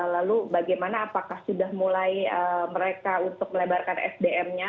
lalu bagaimana apakah sudah mulai mereka untuk melebarkan sdm nya